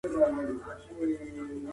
میلاټونین د خوب اوږدوالی زیاتوي.